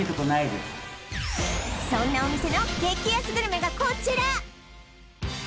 そんなお店の激安グルメがこちら！